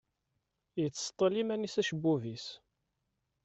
Yettseṭṭil iman-is acebbub-is.